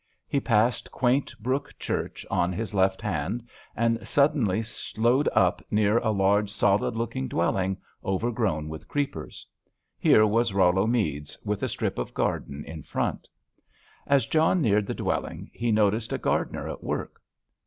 He passed quaint Brooke church on his left hand, and suddenly slowed up near a large solid looking dwelling, overgrown with creepers. Here was Rollo Meads, with a strip of garden in front. As John neared the dwelling he noticed a gardener at work.